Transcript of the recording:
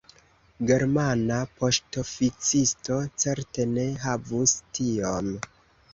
Germana poŝtoficisto certe ne havus tiom.